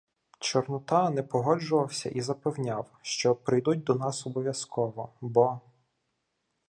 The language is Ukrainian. Чорнота не погоджувався і запевняв, що прийдуть до нас обов’язково, бо.